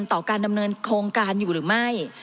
ต่อการดำเนินโครงการอยู่หรือไม่